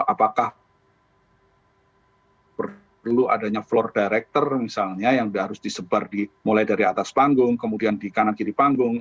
apakah perlu adanya floor director misalnya yang harus disebar mulai dari atas panggung kemudian di kanan kiri panggung